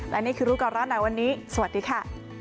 และนี่คือรู้ก่อนร้อนหนาวันนี้สวัสดีค่ะ